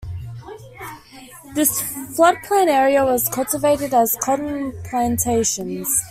This floodplain area was cultivated as cotton plantations.